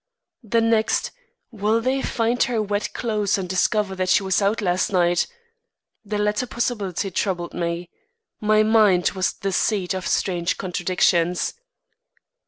The next, "Will they find her wet clothes and discover that she was out last night?" The latter possibility troubled me. My mind was the seat of strange contradictions.